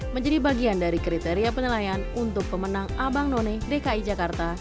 menjadi bagian dari kriteria penilaian untuk pemenang abang none dki jakarta dua ribu dua puluh dua